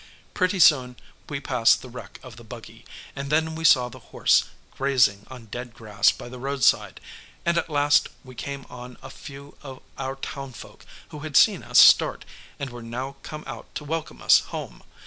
Pretty soon we passed the wreck of the buggy, and then we saw the horse grazing on dead grass by the roadside, and at last we came on a few of our townfolk who had seen us start, and were now come out to welcome us home.